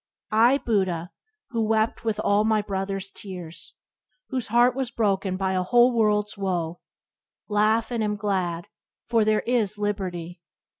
"I, Buddha, who wept with all my brother's tears, Whose heart was broken by a whole world's woe, Laugh and am glad, for there is Liberty!"